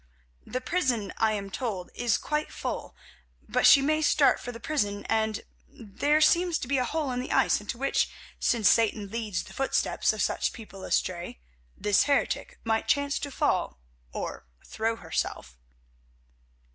"The prison, I am told, is quite full, but she may start for the prison and—there seems to be a hole in the ice into which, since Satan leads the footsteps of such people astray, this heretic might chance to fall—or throw herself."